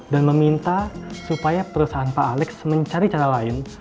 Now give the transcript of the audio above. dan meminta supaya perusahaan pak alex mencari cara lain